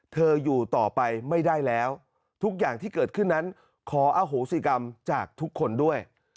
อยู่ต่อไปไม่ได้แล้วทุกอย่างที่เกิดขึ้นนั้นขออโหสิกรรมจากทุกคนด้วย